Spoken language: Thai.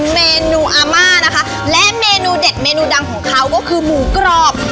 เมนูอาม่านะคะและเมนูเด็ดเมนูดังของเขาก็คือหมูกรอบ